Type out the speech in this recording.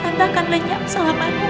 tante akan lenyap selama lamanya